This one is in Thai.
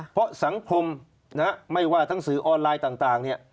เพราะสังคมไม่ว่าทั้งสื่อออนไลน์ต่างเนี่ย